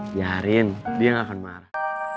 biarin dia gak akan marah